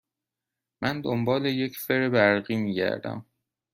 من دنبال یک فر برقی می گردم.